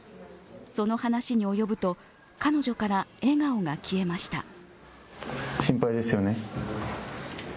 その話に及ぶと彼女から笑顔が消えました。